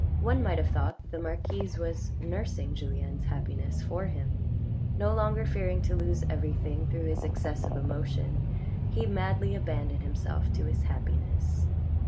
One might have thought that the marquise was nursing Julien's happiness for him \ no longer fearing to lose FRIGHTEN HER 437 everything through his excessive emotion, he madly abandoned himself to his happiness.